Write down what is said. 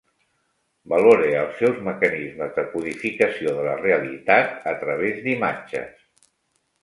Valore els seus mecanismes de codificació de la realitat a través d’imatges.